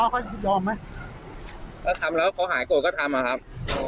ก็ทำแล้วเขาหายโกรธก็ทำอะครับ